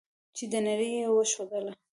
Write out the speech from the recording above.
چې نړۍ ته یې وښودله.